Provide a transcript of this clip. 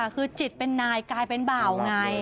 คือจิตเป็นนายกลายเป็นบ่าวไง